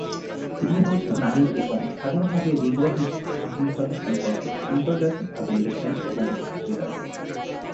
তিনি মূলত নারী এবং সাধারণভাবে লিঙ্গ ভিত্তিক সহিংসতা সম্পর্কে আন্তর্জাতিকভাবে লেখেন এবং বক্তৃতা দেন।